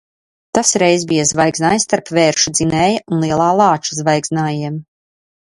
Tas reiz bija zvaigznājs starp Vēršu Dzinēja un Lielā Lāča zvaigznājiem.